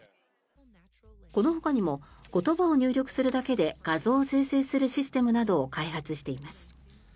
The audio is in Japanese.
このほかにも言葉を入力するだけで画像を生成するシステムなどを開発しています。